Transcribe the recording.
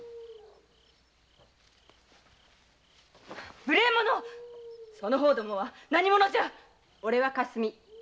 無礼者その方どもは何者じゃおれは「かすみ」。